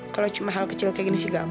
kalau cuma hal kecil kayak gini sih gampang